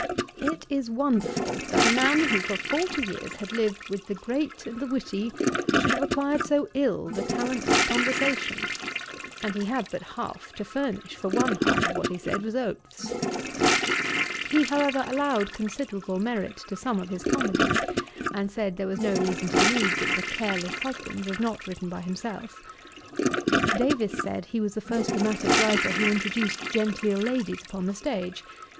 'It is wonderful that a man, who for forty years had lived with the great and the witty, should have acquired so ill the talents of conversation: and he had but half to furnish; for one half of what he said was oaths.' He, however, allowed considerable merit to some of his comedies, and said there was no reason to believe that the Careless Husband was not written by himself. Davies said, he was the first dramatick writer who introduced genteel ladies upon the stage.